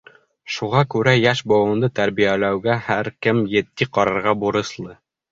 Шуға күрә йәш быуынды тәрбиәләүгә һәр кем етди ҡарарға бурыслы.